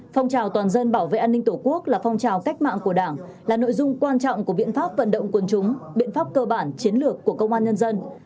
phong trào toàn dân bảo vệ an ninh tổ quốc là phong trào cách mạng của đảng là nội dung quan trọng của biện pháp vận động quân chúng biện pháp cơ bản chiến lược của công an nhân dân